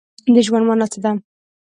د ژوند مانا څه ده؟